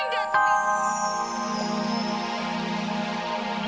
omas pergi dengan pacarnya